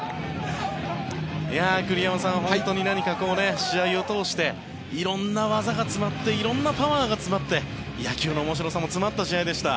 栗山さん、本当に試合を通して色んな技が詰まって色んなパワーが詰まって野球の面白さも詰まった試合でした。